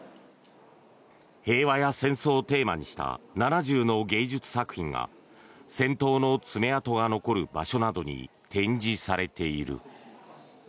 平和や戦争をテーマにした７０の芸術作品が戦闘の爪痕が残る場所などに展示されている。